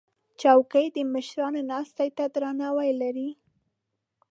چوکۍ د مشرانو ناستې ته درناوی لري.